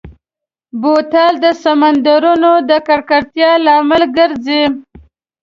بوتل د سمندرونو د ککړتیا لامل ګرځي.